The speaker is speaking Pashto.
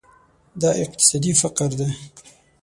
دا اقتصادي فقر ده.